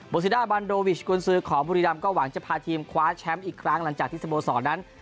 ซิด้าบันโดวิชกุลซื้อของบุรีรำก็หวังจะพาทีมคว้าแชมป์อีกครั้งหลังจากที่สโมสรนั้น